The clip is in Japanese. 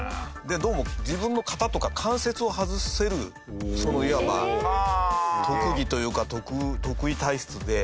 どうも自分の肩とか関節を外せるそのいわば特技というか特異体質で。